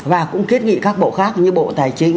và cũng kết nghị các bộ khác như bộ tài chính